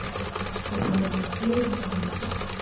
د سپوږمۍ په څیر نرم اوسئ.